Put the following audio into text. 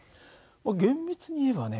厳密に言えばね